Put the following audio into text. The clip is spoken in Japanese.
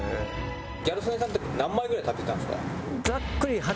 ギャル曽根さんって何枚ぐらい食べてたんですか？